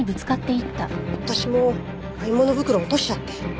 私も買い物袋落としちゃって。